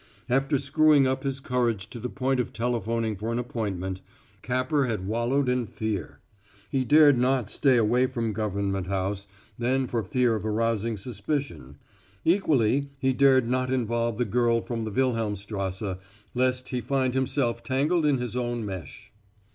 After screwing up his courage to the point of telephoning for an appointment, Capper had wallowed in fear. He dared not stay away from Government House then for fear of arousing suspicion; equally he dared not involve the girl from the Wilhelmstrasse lest he find himself tangled in his own mesh.